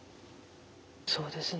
そうですね。